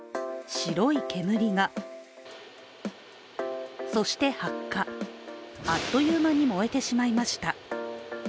白い煙が、そして発火あっという間に燃えてしまいました。